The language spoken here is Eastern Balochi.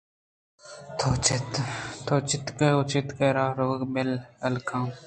تو تچک ءَ تچک راہ ءِ رَوَگ ہیل کن